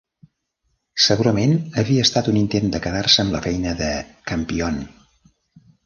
Segurament havia estat un intent de quedar-se amb la feina de Campion.